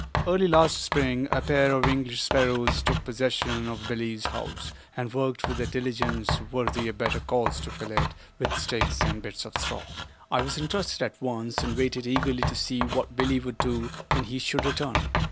Early last spring a pair of English sparrows took possession of Billie's house and worked with a diligence worthy a better cause to fill it with sticks and bits of straw. I was interested at once and waited eagerly to see what Billie would do when he should return.